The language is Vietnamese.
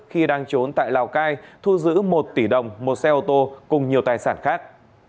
khi đang trốn tại lào cai thu giữ một tỷ đồng một xe ô tô cùng nhiều tài sản khác